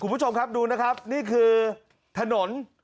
คุณผู้ชมครับดูนะครับนี่คือถนน